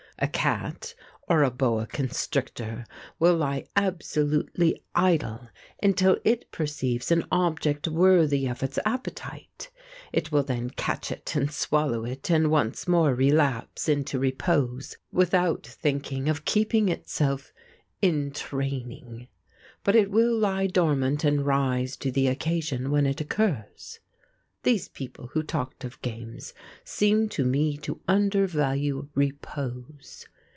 A cat or a boa constrictor will lie absolutely idle until it perceives an object worthy of its appetite; it will then catch it and swallow it, and once more relapse into repose without thinking of keeping itself 'in training.' But it will lie dormant and rise to the occasion when it occurs. These people who talked of games seem to me to undervalue repose.